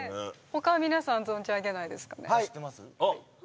他はみなさん存じ上げないですかね